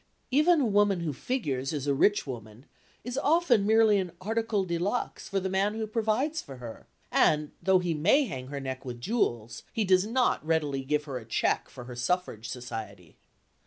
Even a woman who figures as a rich woman is often merely an article de luxe for the man who provides for her, and, though he may hang her neck with jewels, he does not readily give her a cheque for her suffrage society.